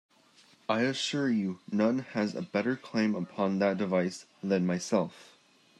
I assure you, none has a better claim upon that device than myself.